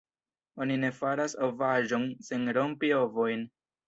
Oni ne faras ovaĵon sen rompi ovojn!